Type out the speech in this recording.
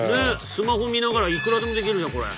スマホ見ながらいくらでもできるじゃんこれ。